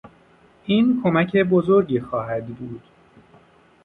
این کمک بزرگی خواهد بود.